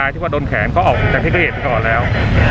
ที่ว่าโดนแขนก็ออกจากที่เครือเหตุก็ออกแล้ว